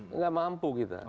tidak mampu kita